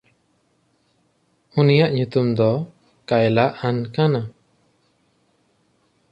ᱩᱱᱤᱭᱟᱜ ᱧᱩᱛᱩᱢ ᱫᱚ ᱠᱟᱭᱞᱟᱼᱟᱱ ᱠᱟᱱᱟ᱾